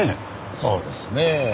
そうですねぇ。